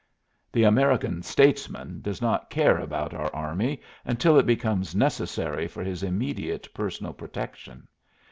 The American "statesman" does not care about our army until it becomes necessary for his immediate personal protection.